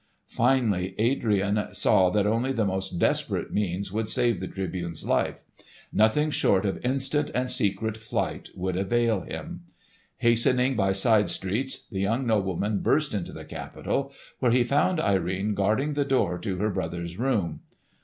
Finally Adrian saw that only the most desperate means would save the Tribune's life; nothing short of instant and secret flight would avail him. Hastening by side streets, the young nobleman burst into the Capitol, where he found Irene guarding the door to her brother's room.